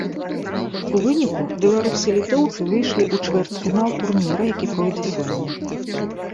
У выніку, беларусы і літоўцы выйшлі ў чвэрцьфінал турніра, які пройдзе сёння.